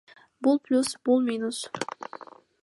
Бул плюс, бул минус.